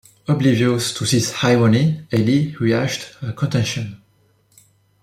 Oblivious to his irony Ellie rehashed her contention.